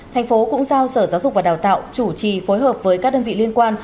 thành phố cũng giao sở giáo dục và đào tạo chủ trì phối hợp với các đơn vị liên quan